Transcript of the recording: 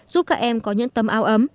giúp các em có những tâm ao ấm